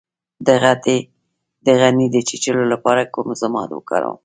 د غڼې د چیچلو لپاره کوم ضماد وکاروم؟